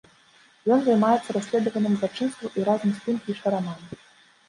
Ён займаецца расследаваннем злачынстваў і разам з тым піша раман.